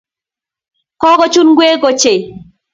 Kokochun ngwek koche